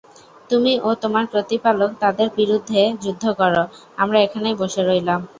তুমি ও তোমার প্রতিপালক তাদের বিরুদ্ধে যুদ্ধ কর, আমরা এখানেই বসে রইলাম।